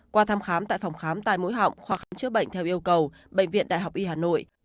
qua thăm khám tại phòng khám tai mũi họng hoặc khám chữa bệnh theo yêu cầu bệnh viện đại học y hà nội